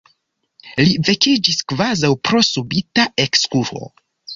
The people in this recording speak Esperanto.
Li vekiĝis kvazaŭ pro subita ekskuo.